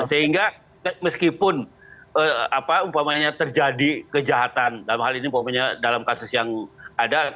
sehingga meskipun umpamanya terjadi kejahatan dalam hal ini dalam kasus yang ada